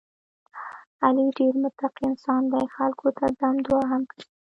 علي ډېر متقی انسان دی، خلکو ته دم دعا هم کوي.